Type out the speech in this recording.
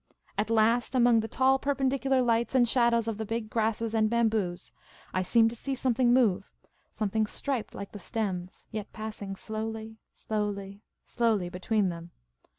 At last, among the tall perpendicular lights and shadows of the big grasses and bamboos, I seemed to see something move — something striped like the stems, yet passing slowly, slowly, slowly between them.